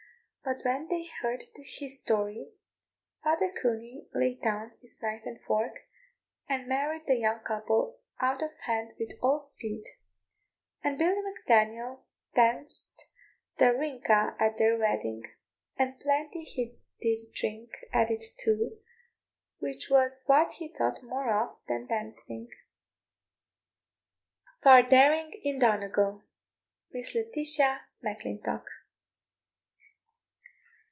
But when they heard his story, Father Cooney laid down his knife and fork, and married the young couple out of hand with all speed; and Billy Mac Daniel danced the Rinka at their wedding, and plenty he did drink at it too, which was what he thought more of than dancing. [Footnote 12: A festival held in honour of some patron saint.] FAR DARRIG IN DONEGAL. MISS LETITIA MACLINTOCK.